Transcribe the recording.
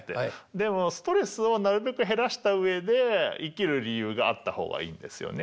でもストレスをなるべく減らした上で生きる理由があった方がいいですよね。